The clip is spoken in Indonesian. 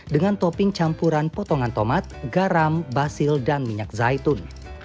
dengan topping campuran potongan tomat garam basil dan minyak zaitun